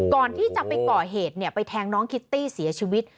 ก่อนที่จะไปก่อเหตุไปแทงน้องคิตตี้เสียชีวิต